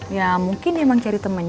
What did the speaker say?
ya mungkin dia emang cari temennya